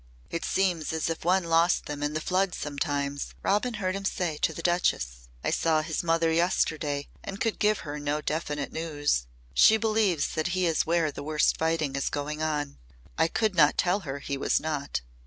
"It seems as if one lost them in the flood sometimes," Robin heard him say to the Duchess. "I saw his mother yesterday and could give her no definite news. She believes that he is where the worst fighting is going on. I could not tell her he was not."